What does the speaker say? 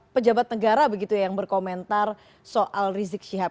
pejabat negara begitu ya yang berkomentar soal rizik syihab